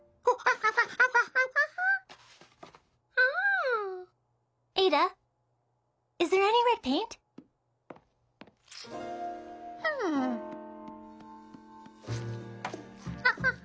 ハ。ハハハ。